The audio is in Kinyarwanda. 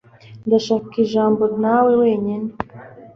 Ndashaka ijambo nawe wenyine.